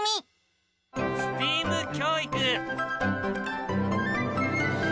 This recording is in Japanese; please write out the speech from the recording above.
ＳＴＥＡＭ教育。